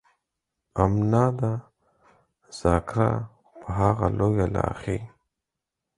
امنا ده ذاکره په هغه لويه لاښي.